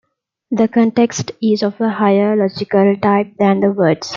The context is of a higher logical type than the words.